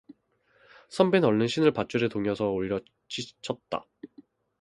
선비는 얼른 신을 밧줄에 동여서 올려 치쳤다.